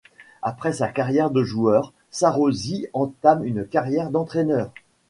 Après sa carrière de joueur, Sárosi entame une carrière d'entraîneur.